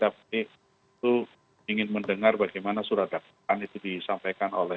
tapi itu ingin mendengar bagaimana surat dakwaan itu disampaikan oleh